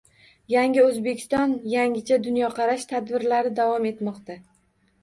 “Yangi O‘zbekiston – yangicha dunyoqarash” tadbirlari davom etmoqda